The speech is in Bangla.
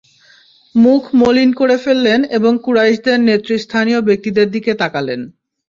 মুখ মলিন করে ফেললেন এবং কুরাইশের নেতৃস্থানীয় ব্যক্তিদের দিকে তাকালেন।